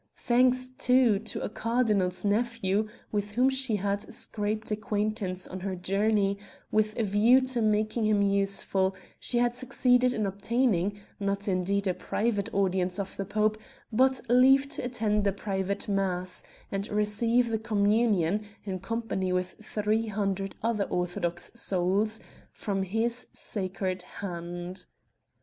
Thanks, too, to a cardinal's nephew with whom she had scraped acquaintance on her journey, with a view to making him useful, she had succeeded in obtaining not indeed a private audience of the pope but leave to attend a private mass and receive the communion, in company with three hundred other orthodox souls, from his sacred hand.